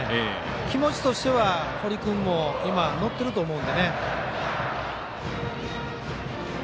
気持ちとしては堀君も乗っていると思うので。